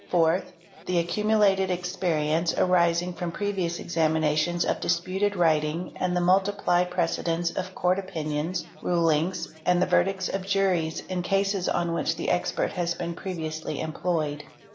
Fourth. The accumulated experience arising from previous exami nations of disputed writing and the. multiplied precedents of Court opinions, rulings, and the verdicts of juries, in cases on which the expert has been previously employed.